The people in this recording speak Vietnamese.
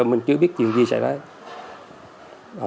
mình chưa biết chuyện gì xảy ra